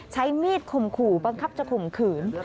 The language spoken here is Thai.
ใช้มีดข่มขู่บังคับจะข่มขืน